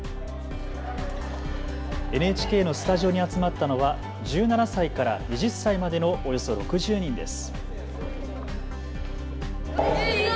ＮＨＫのスタジオに集まったのは１７歳から２０歳までのおよそ６０人です。